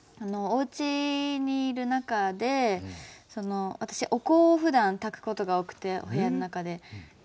おうちにいる中で私お香をふだんたくことが多くてお部屋の中で。